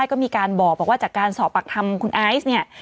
แล้วก็มีการบอกว่าจากการสอบปรักษ์ธรรมคุณไอซ์เนี่ย